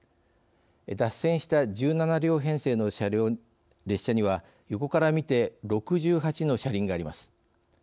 脱線した１７両編成の列車には横から見て６８の車輪があります。